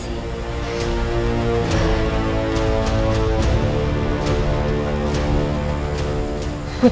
egok bisa menambahkan dan menurutmu